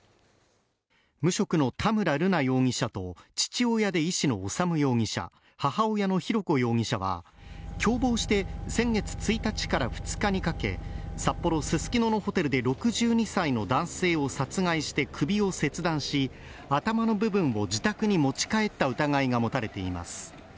無職の田村瑠奈容疑者と父親で医師の修容疑者母親の浩子容疑者は共謀して先月１日から２日にかけ札幌・ススキノのホテルで６２歳の男性を殺害して首を切断し頭の部分を自宅に持ち帰った疑いが持たれています。